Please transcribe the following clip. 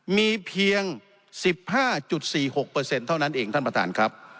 มีเพียง๑๕๔๖เท่านั้นเองท่านประธานครับ